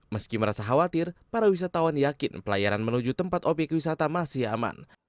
meski merasa khawatir para wisatawan yakin pelayaran menuju tempat obyek wisata masih aman